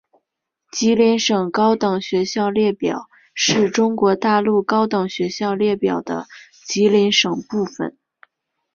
吉林省高等学校列表是中国大陆高等学校列表的吉林省部分。